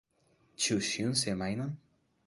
Ĉu ĉiun semajnon?